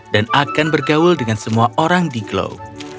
dan akan bergaul dengan semua orang di glow